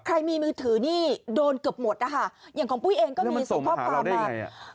ใครมีมือถือนี่โดนเกือบหมดนะคะอย่างของปุ้ยเองก็มีส่งข้อความมา